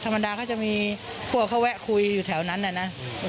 ธรรมดาเขาจะมีพวกเขาแวะคุยอยู่แถวนั้นน่ะนะ